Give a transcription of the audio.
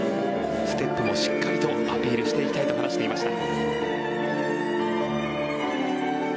ステップもしっかりとアピールしていきたいと話していました。